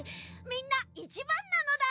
みんないちばんなのだ。